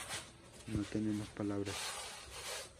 No tenemos palabras.